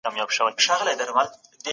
موږ په کمپيوټر کي انټرنېټ ته ننوځو.